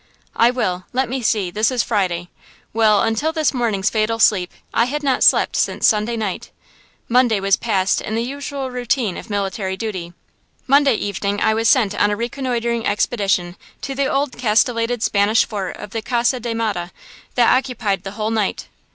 "I will. Let me see–this is Friday. Well, until this morning's fatal sleep, I had not slept since Sunday night. Monday was passed in the usual routine of military duty. Monday evening I was sent on a reconnoitering expedition to the old castellated Spanish fort of the Casa de Mata, that occupied the whole night.